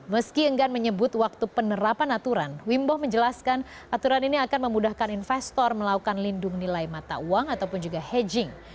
meski enggan menyebut waktu penerapan aturan wimbo menjelaskan aturan ini akan memudahkan investor melakukan lindung nilai mata uang ataupun juga hedging